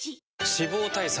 脂肪対策